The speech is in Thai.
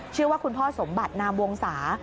ชื่อว่าคุณพ่อสมบัตินามวงศา